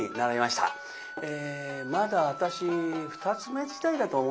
まだ私二ツ目時代だと思います。